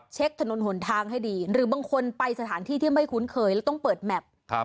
ถนนหนทางให้ดีหรือบางคนไปสถานที่ที่ไม่คุ้นเคยแล้วต้องเปิดแมพ